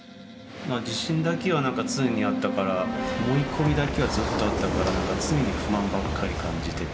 まあ自信だけは常にあったから思い込みだけはずっとあったから常に不満ばっかり感じてて。